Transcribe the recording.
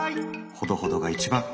ほどほどが一番。